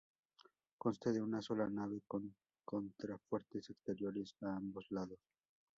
Consta de una sola nave con contrafuertes exteriores a ambos lados.